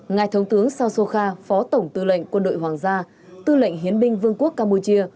ngài thống tướng sao sokha phó tổng tư lệnh quân đội hoàng gia tư lệnh hiến binh vương quốc campuchia